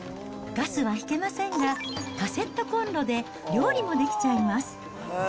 ガスは引けませんが、カセットコンロで料理もできちゃいます。